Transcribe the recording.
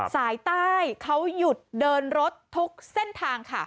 สายใต้เขาหยุดเดินรถทุกเส้นทางค่ะ